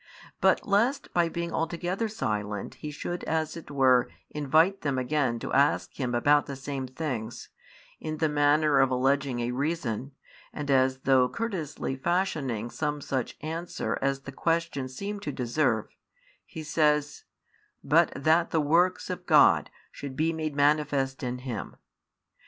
But lest by being altogether silent He should as it were invite them again to ask Him about the same things, in the manner of alleging a reason, and as though courteously fashioning |15 some such answer as the questions seemed to deserve, He says, But that the works of God should be made manifest in him.